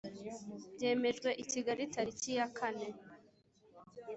Byemejwe i Kigali tariki ya kane